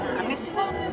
manis sih bang